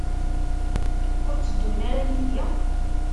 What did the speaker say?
Ur tteddun ara yid-i?